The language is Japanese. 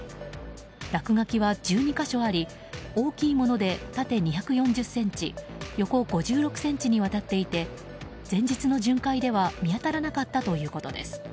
落書きは１２か所あり大きいもので縦２４０ｃｍ横５６ｃｍにわたっていて前日の巡回では見当たらなかったということです。